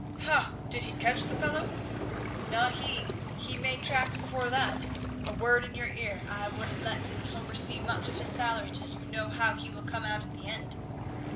"Ha! did he catch the fellow?" "Not he he had made tracks before that. A word in your ear I wouldn't let Didenhover see much of his salary till you know how he will come out at the end."